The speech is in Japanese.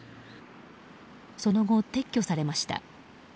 その後、撤去されました。